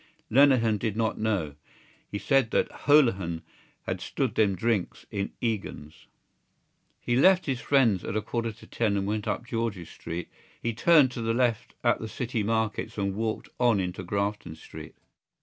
Lenehan did not know: he said that Holohan had stood them drinks in Egan's. He left his friends at a quarter to ten and went up George's Street. He turned to the left at the City Markets and walked on into Grafton Street.